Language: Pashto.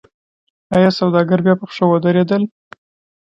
آیا سوداګر بیا په پښو ودرېدل؟